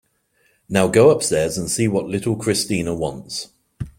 Now go upstairs and see what little Christina wants.